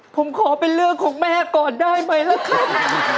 ผมขอเป็นเรื่องของแม่ก่อนได้ไหมล่ะครับ